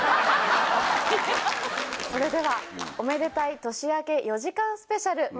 それではおめでたい年明け４時間スペシャル。